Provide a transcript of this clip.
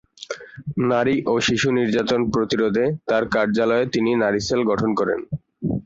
নারী ও শিশু নির্যাতন প্রতিরোধে তার কার্যালয়ে তিনি নারী সেল গঠন করেন।